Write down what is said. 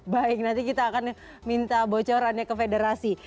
baik nanti kita akan minta bocorannya ke federasi